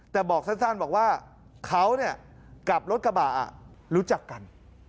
แต่บอกสั้นบอกว่าเขากับรถกระบะรู้จักกัน